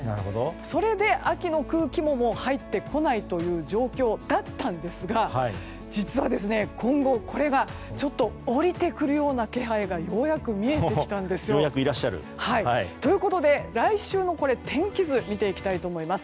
それで秋の空気も入ってこないという状況だったんですが実は今後これがちょっと下りてくるような気配がようやく見えてきたんですよ。ということで、来週の天気図を見ていきたいと思います。